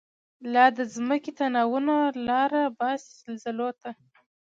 لا دځمکی تناوونه، لاره باسی زلزلوته